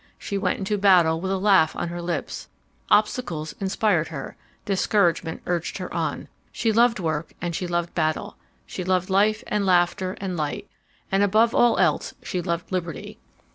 She went into battle with a laugh on her lips. Obstacles inspired her, discouragement urged her on. She loved work and she loved battle. She loved life and laughter and light, and above all else she loved liberty.